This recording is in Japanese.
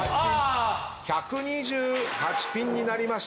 １２８ピンになりました。